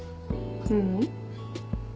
ううん。